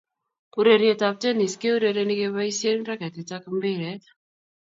Urerietab Tennis keurereni keboisieen raketit ak mpiret